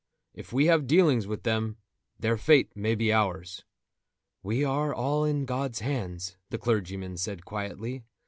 If we have dealings with them, their fate may be ours." "We are all in God's hands," the clergyman said quietly.